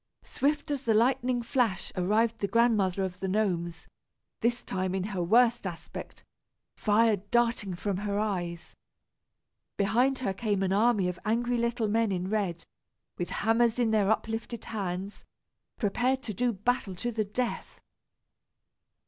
Swift as the lightning flash arrived the Grandmother of the Gnomes, this time in her worst aspect, fire darting from her eyes. Behind her came an army of angry little men in red, with hammers in their uplifted hands, prepared to do battle to the death.